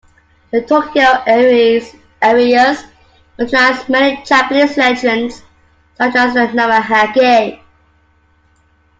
The Tokyo areas utilize many Japanese legends, such as the Namahage.